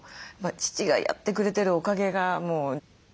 父がやってくれてるおかげがもう。